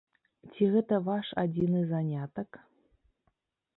Ці гэта ваш адзіны занятак?